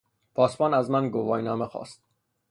پاسبان از من گواهینامه خواست.